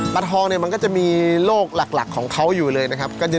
ปลาทองเนี่ยมันก็จะมีโรคหลักของเขาอยู่เลยนะครับก็จะหนึ่งแหละ